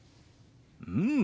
うん！